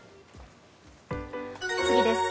次です。